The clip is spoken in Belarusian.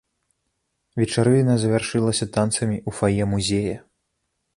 Вечарына завяршылася танцамі ў фае музея.